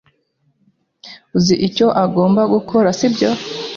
Uzi icyo ugomba gukora, sibyo?